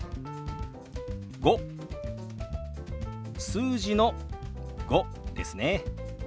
数字の「５」ですね。